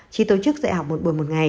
chỉ tổ chức dạy học một buổi một ngày